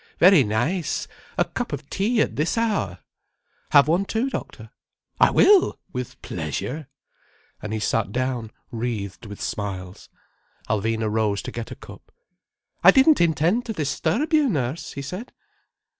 Very nice, a cup of tea at this hour!" "Have one too, doctor." "I will with pleasure." And he sat down wreathed with smiles. Alvina rose to get a cup. "I didn't intend to disturb you, nurse," he said.